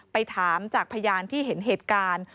ไปถามจากพยานที่เห็นเหตุการณ์